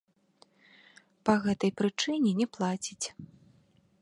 Па гэтай прычыне не плаціць.